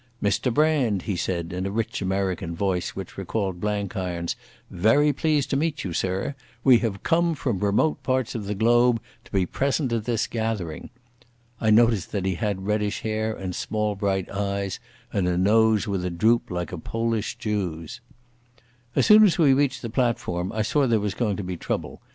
"Mr Brand," he said, in a rich American voice which recalled Blenkiron's. "Very pleased to meet you, sir. We have come from remote parts of the globe to be present at this gathering." I noticed that he had reddish hair, and small bright eyes, and a nose with a droop like a Polish Jew's. As soon as we reached the platform I saw that there was going to be trouble.